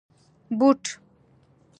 👞 بوټ